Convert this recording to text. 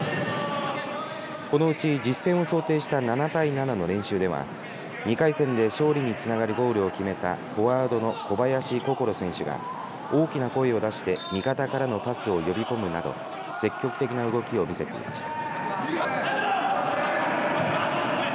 このうち実践を想定した７対７の練習では２回戦で勝利につながるゴールを決めたフォワードの小林心選手が大きな声を出して味方からのパスを呼び込むなど積極的な動きを見せていました。